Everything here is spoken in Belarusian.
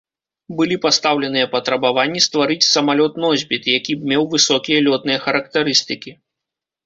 Былі пастаўленыя патрабаванні стварыць самалёт-носьбіт, які б меў высокія лётныя характарыстыкі.